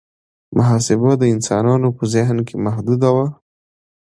محاسبه د انسانانو په ذهن کې محدوده وه.